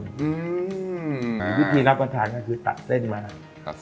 อื้อวิธีรับประทานก็คือตัดเส้นมาตัดเส้น